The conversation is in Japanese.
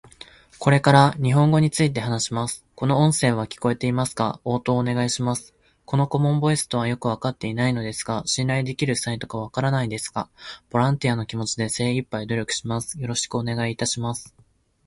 これから日本語について話します。この音声は聞こえてますか？応答願います。この顧問ボイスとはよく分かっていないのですが信頼できるサイトか分からないですが、ボランティアの気持ちで精いっぱい努力します。よろしくお願いいたします。